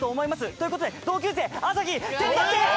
ということで同級生朝日手伝って！